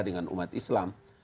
dengan umat islam